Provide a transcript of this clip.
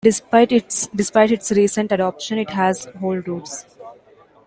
Despite its recent adoption, it has old roots.